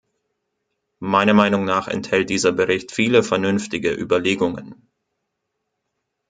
Meiner Meinung nach enthält dieser Bericht viele vernünftige Überlegungen.